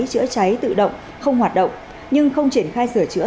chữa cháy tự động không hoạt động nhưng không triển khai sửa chữa